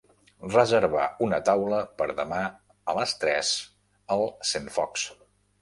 Revervar una taula per a demà a les tres al Centfocs.